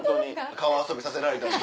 川遊びさせられたり。